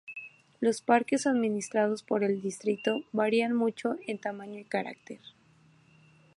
Los parques administrados por el Distrito varían mucho en tamaño y carácter.